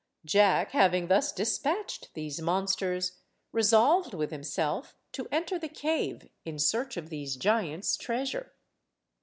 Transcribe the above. Jack, having thus despatched these monsters, resolved with himself to enter the cave in search of these giants' treasure.